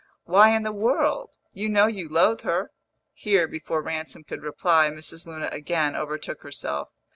"Why in the world? You know you loathe her!" Here, before Ransom could reply, Mrs. Luna again overtook herself.